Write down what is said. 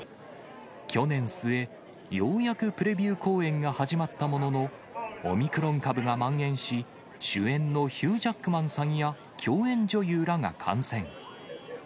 去年末、ようやくプレビュー公演が始まったものの、オミクロン株がまん延し、主演のヒュー・ジャックマンさんや、共演女優らが感染。